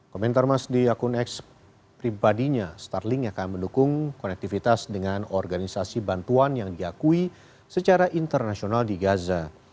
komentar mas di akun ex pribadinya starling akan mendukung konektivitas dengan organisasi bantuan yang diakui secara internasional di gaza